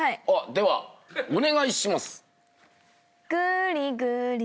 ではお願いします。